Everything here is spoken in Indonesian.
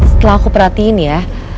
setelah aku perhatiin ya